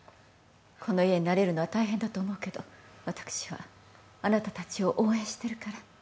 この家に慣れるのは大変だと思うけど私はあなたたちを応援してるから。